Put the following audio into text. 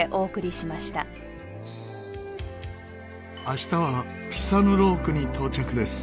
明日はピサヌロークに到着です。